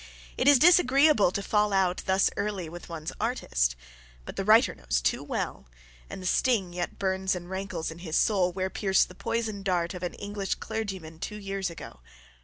It is disagreeable to fall out thus early with one's artist, but the writer knows too well, and the sting yet burns and rankles in his soul where pierced the poisoned dart of an English clergyman two years ago.